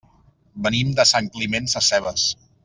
Venim de Sant Climent Sescebes.